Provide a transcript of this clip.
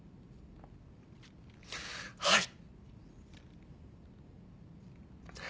はい！